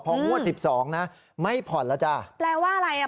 พองวดสิบสองนะไม่ผ่อนแล้วจ้ะแปลว่าอะไรอ่ะ